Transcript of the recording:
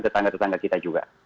tetangga tetangga kita juga